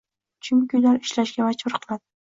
Chunki ular ishlashga majbur qiladi.